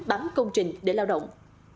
bám công trình để lao động